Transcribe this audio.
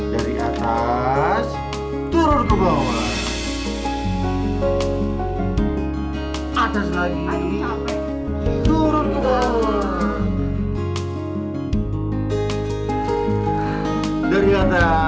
yuk dari atas turun ke bawah